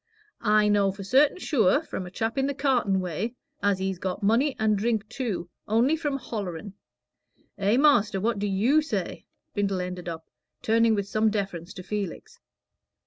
I know for certain sure, from a chap in the cartin' way, as he's got money and drink too, only for hollering. Eh, master, what do you say?" Brindle ended, turning with some deference to Felix.